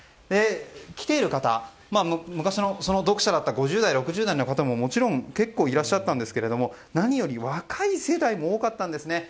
来ている方は、昔の読者だった５０代、６０代の方ももちろん結構いらっしゃったんですが何より若い世代も多かったんですね。